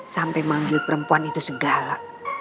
sampai manggil perempuan itu segala